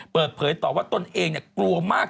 เปิดเผยตอนว่าตนเองเนี่ยกลัวมาก